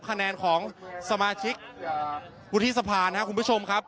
คะแนนของสมาชิกวุฒิสภานะครับคุณผู้ชมครับ